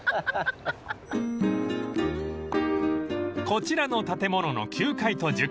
［こちらの建物の９階と１０階］